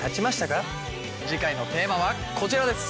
次回のテーマはこちらです。